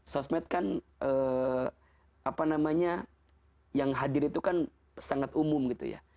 sosmed kan apa namanya yang hadir itu kan sangat umum gitu ya